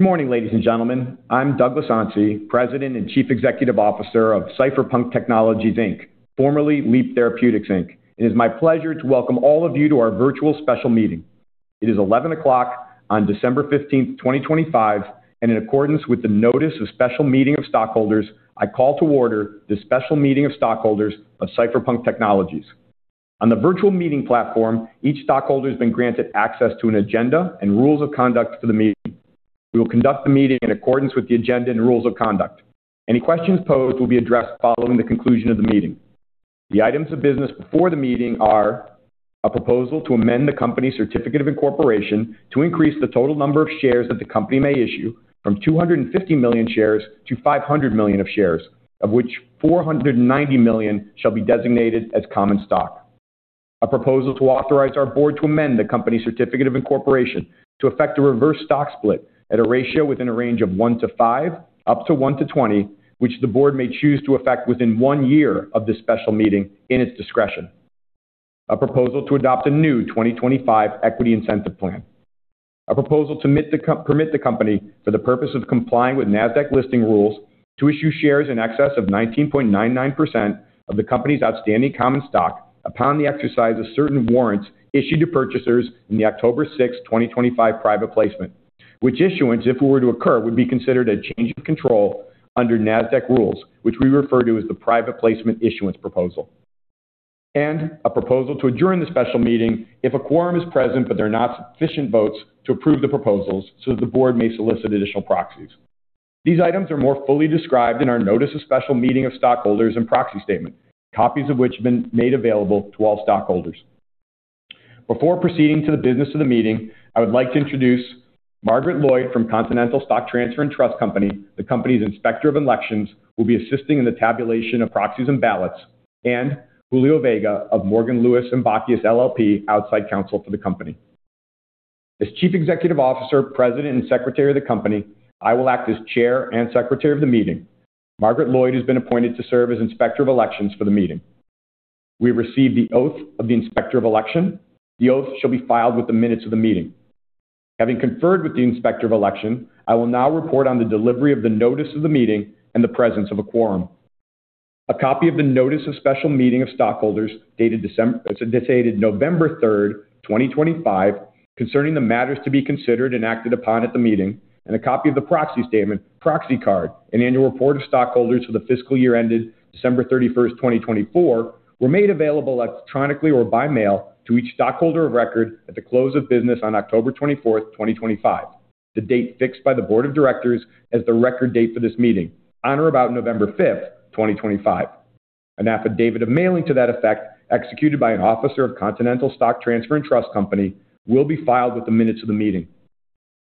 Good morning, ladies and gentlemen. I'm Douglas Onsi, President and Chief Executive Officer of Cypherpunk Technologies, Inc., formerly Leap Therapeutics, Inc., and it is my pleasure to welcome all of you to our virtual special meeting. It is 11:00 A.M. on December 15, 2025, and in accordance with the Notice of Special Meeting of Stockholders, I call to order the Special Meeting of Stockholders of Cypherpunk Technologies. On the virtual meeting platform, each stockholder has been granted access to an agenda and rules of conduct for the meeting. We will conduct the meeting in accordance with the agenda and rules of conduct. Any questions posed will be addressed following the conclusion of the meeting. The items of business before the meeting are: a proposal to amend the company's certificate of incorporation to increase the total number of shares that the company may issue from 250 million shares to 500 million shares, of which 490 million shall be designated as common stock, a proposal to authorize our board to amend the company's certificate of incorporation to effect a reverse stock split at a ratio within a range of 1:5 up to 1:20, which the board may choose to effect within one year of this special meeting in its discretion, a proposal to adopt a new 2025 Equity Incentive Plan, a proposal to permit the company, for the purpose of complying with Nasdaq listing rules, to issue shares in excess of 19.99% of the company's outstanding common stock upon the exercise of certain warrants issued to purchasers in the October 6, 2025, private placement, which issuance, if it were to occur, would be considered a change of control under Nasdaq rules, which we refer to as the private placement issuance proposal, and a proposal to adjourn the special meeting if a quorum is present but there are not sufficient votes to approve the proposals so that the board may solicit additional proxies. These items are more fully described in our Notice of Special Meeting of Stockholders and Proxy Statement, copies of which have been made available to all stockholders. Before proceeding to the business of the meeting, I would like to introduce Margaret Lloyd from Continental Stock Transfer and Trust Company, the company's Inspector of Elections, who will be assisting in the tabulation of proxies and ballots, and Julio Vega of Morgan, Lewis & Bockius LLP, outside counsel for the company. As Chief Executive Officer, President, and Secretary of the Company, I will act as Chair and Secretary of the Meeting. Margaret Lloyd has been appointed to serve as Inspector of Elections for the meeting. We have received the oath of the Inspector of Election. The oath shall be filed with the minutes of the meeting. Having conferred with the Inspector of Election, I will now report on the delivery of the Notice of the Meeting and the presence of a quorum, a copy of the Notice of Special Meeting of Stockholders dated November 3rd, 2025, concerning the matters to be considered and acted upon at the meeting, and a copy of the proxy statement, proxy card, and annual report of stockholders for the fiscal year ended December 31st, 2024, were made available electronically or by mail to each stockholder of record at the close of business on October 24th, 2025, the date fixed by the Board of Directors as the record date for this meeting, on or about November 5th, 2025. An affidavit of mailing to that effect, executed by an officer of Continental Stock Transfer & Trust Company, will be filed with the minutes of the meeting.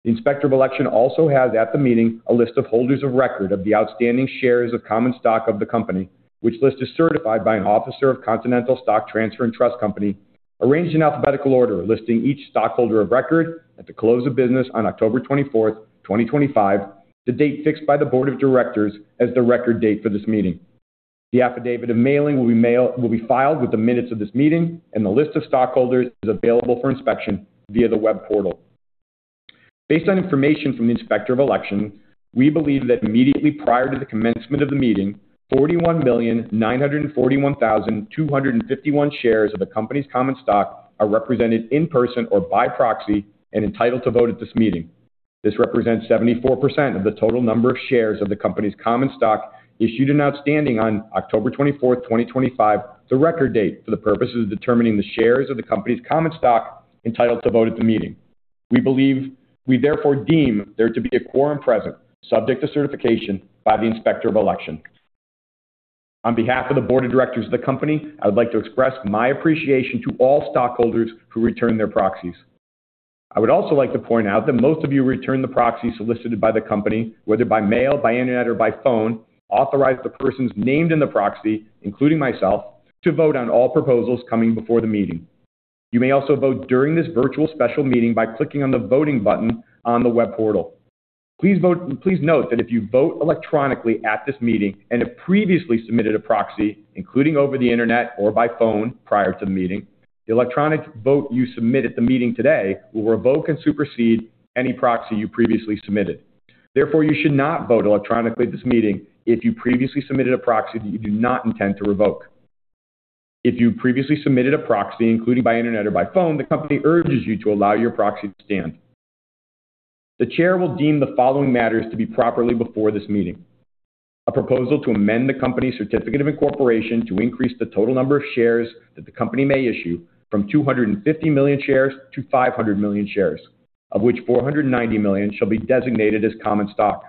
The Inspector of Election also has at the meeting a list of holders of record of the outstanding shares of common stock of the company, which list is certified by an officer of Continental Stock Transfer & Trust Company, arranged in alphabetical order, listing each stockholder of record at the close of business on October 24th, 2025, the date fixed by the Board of Directors as the record date for this meeting. The affidavit of mailing will be filed with the minutes of this meeting, and the list of stockholders is available for inspection via the web portal. Based on information from the Inspector of Election, we believe that immediately prior to the commencement of the meeting, 41,941,251 shares of the company's common stock are represented in person or by proxy and entitled to vote at this meeting. This represents 74% of the total number of shares of the company's common stock issued and outstanding on October 24th, 2025, the record date for the purpose of determining the shares of the company's common stock entitled to vote at the meeting. We believe we therefore deem there to be a quorum present, subject to certification by the Inspector of Election. On behalf of the Board of Directors of the Company, I would like to express my appreciation to all stockholders who return their proxies. I would also like to point out that most of you return the proxies solicited by the company, whether by mail, by internet, or by phone, authorized the persons named in the proxy, including myself, to vote on all proposals coming before the meeting. You may also vote during this virtual special meeting by clicking on the voting button on the web portal. Please note that if you vote electronically at this meeting and have previously submitted a proxy, including over the internet or by phone prior to the meeting, the electronic vote you submit at the meeting today will revoke and supersede any proxy you previously submitted. Therefore, you should not vote electronically at this meeting if you previously submitted a proxy that you do not intend to revoke. If you previously submitted a proxy, including by internet or by phone, the company urges you to allow your proxy to stand. The Chair will deem the following matters to be properly before this meeting: a proposal to amend the company's certificate of incorporation to increase the total number of shares that the company may issue from 250 million shares to 500 million shares, of which 490 million shall be designated as common stock.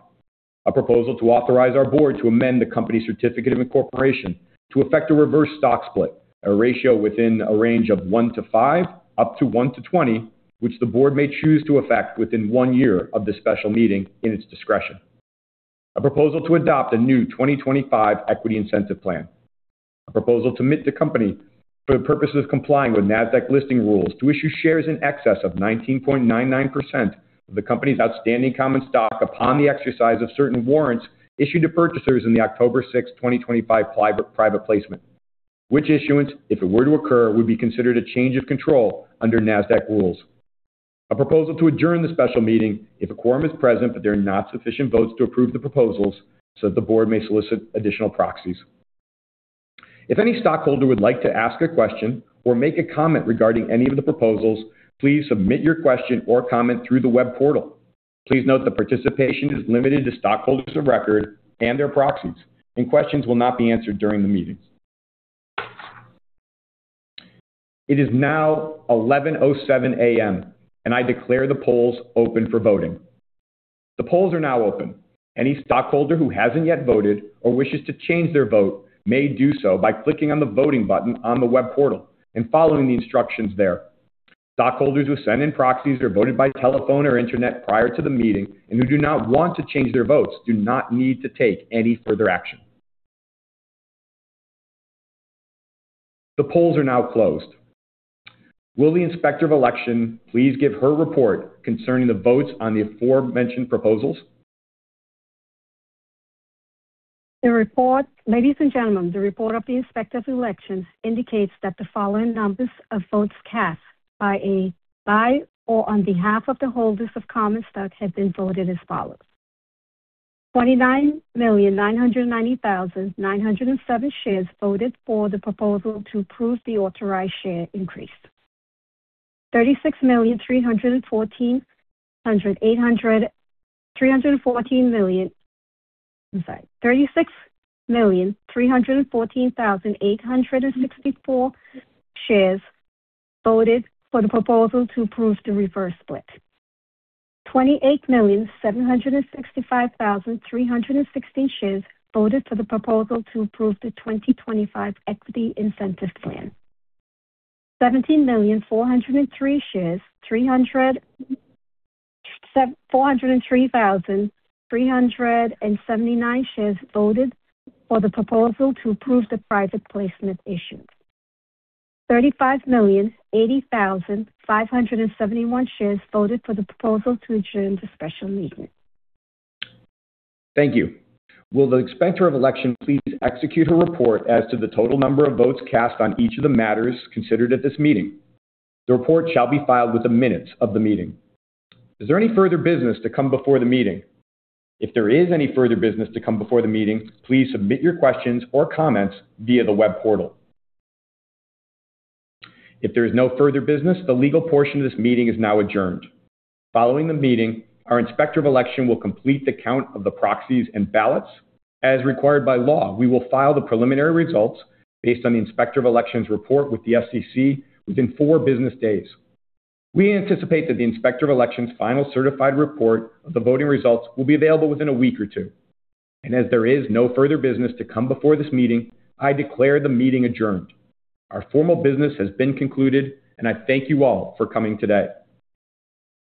A proposal to authorize our board to amend the company's certificate of incorporation to effect a reverse stock split at a ratio within a range of 1:5 up to 1:20, which the board may choose to effect within one year of this special meeting in its discretion. A proposal to adopt a new 2025 equity incentive plan. A proposal to commit the company for the purpose of complying with Nasdaq listing rules to issue shares in excess of 19.99% of the company's outstanding common stock upon the exercise of certain warrants issued to purchasers in the October 6, 2025, private placement, which issuance, if it were to occur, would be considered a change of control under Nasdaq rules. A proposal to adjourn the special meeting if a quorum is present but there are not sufficient votes to approve the proposals so that the board may solicit additional proxies. If any stockholder would like to ask a question or make a comment regarding any of the proposals, please submit your question or comment through the web portal. Please note that participation is limited to stockholders of record and their proxies, and questions will not be answered during the meetings. It is now 11:07 A.M., and I declare the polls open for voting. The polls are now open. Any stockholder who hasn't yet voted or wishes to change their vote may do so by clicking on the voting button on the web portal and following the instructions there. Stockholders who send in proxies or voted by telephone or internet prior to the meeting and who do not want to change their votes do not need to take any further action. The polls are now closed. Will the Inspector of Elections please give her report concerning the votes on the aforementioned proposals? The report, ladies and gentlemen, the report of the Inspector of Election indicates that the following numbers of votes cast by or on behalf of the holders of common stock have been voted as follows: 29,990,907 shares voted for the proposal to approve the authorized share increase. 36,314,800,314 million, I'm sorry, 36,314,864 shares voted for the proposal to approve the reverse split. 28,765,316 shares voted for the proposal to approve the 2025 equity incentive plan. 17,403 shares. 403,379 shares voted for the proposal to approve the private placement issue. 35,080,571 shares voted for the proposal to adjourn the special meeting. Thank you. Will the Inspector of Election please execute her report as to the total number of votes cast on each of the matters considered at this meeting? The report shall be filed with the minutes of the meeting. Is there any further business to come before the meeting? If there is any further business to come before the meeting, please submit your questions or comments via the web portal. If there is no further business, the legal portion of this meeting is now adjourned. Following the meeting, our Inspector of Election will complete the count of the proxies and ballots. As required by law, we will file the preliminary results based on the Inspector of Election's report with the SEC within four business days. We anticipate that the Inspector of Election's final certified report of the voting results will be available within a week or two. As there is no further business to come before this meeting, I declare the meeting adjourned. Our formal business has been concluded, and I thank you all for coming today.